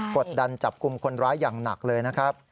กดดันจับกลุ่มคนร้ายอย่างหนักเลยนะครับ